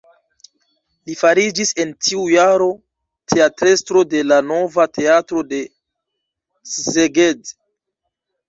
Li fariĝis en tiu jaro teatrestro de la nova teatro de Szeged.